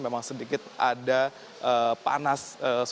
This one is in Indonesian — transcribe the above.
memang sedikit ada panas